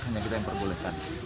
hanya kita yang perbolehkan